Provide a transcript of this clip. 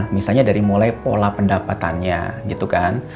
misalnya dari mulai pola pendapatannya gitu kan